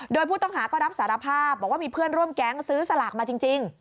โดยผู้ต้องหาก็รับสารภาพบอกว่ามีเพื่อนร่วมแก๊งซื้อสลากมาจริง